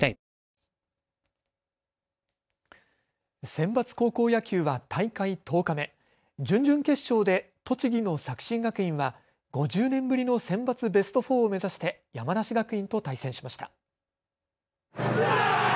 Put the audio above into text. センバツ高校野球は大会１０日目、準々決勝で栃木の作新学院は５０年ぶりのセンバツベスト４を目指して山梨学院と対戦しました。